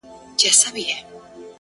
• له نيکه را پاته سوی په ميراث دی,